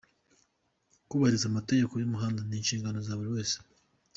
Kubahiriza amategeko y’umuhanda ni inshingano za buri wese.